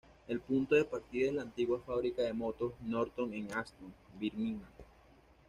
El punto de partida es la antigua fábrica de motos Norton en Aston, Birmingham.